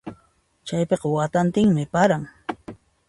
Chaypiqa watantinmi paran.